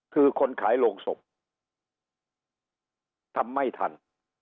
คือคนขายโรงศพทำไม่ทัน